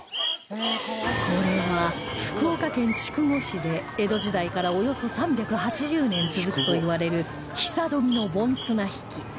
これは福岡県筑後市で江戸時代からおよそ３８０年続くといわれる久富の盆綱曳き